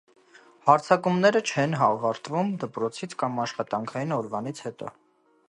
Հարձակումները չեն ավարտվում դպրոցից կամ աշխատանքային օրվանից հետո։